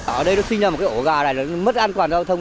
ở đây nó sinh ra một cái ổ gà này nó mất an toàn giao thông